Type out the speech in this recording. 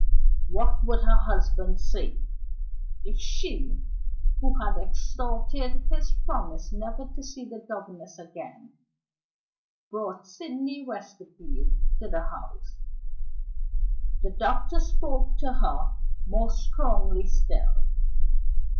What would her husband say, if she (who had extorted his promise never to see the governess again) brought Sydney Westerfield back to the house? The doctor spoke to her more strongly still.